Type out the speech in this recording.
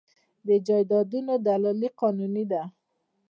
د جایدادونو دلالي قانوني ده؟